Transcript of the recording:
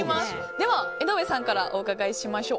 では、江上さんからお伺いしましょう。